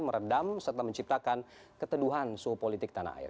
meredam serta menciptakan keteduhan suhu politik tanah air